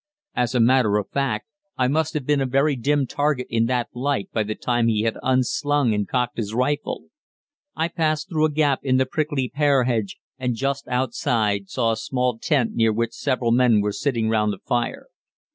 As a matter of fact, I must have been a very dim target in that light by the time he had unslung and cocked his rifle. I passed through a gap in the prickly pear hedge, and just outside saw a small tent near which several men were sitting round a fire.